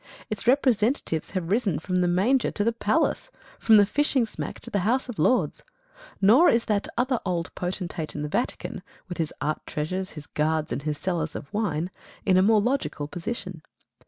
Its representatives have risen from the manger to the palace, from the fishing smack to the House of Lords. Nor is that other old potentate in the Vatican, with his art treasures, his guards, and his cellars of wine in a more logical position.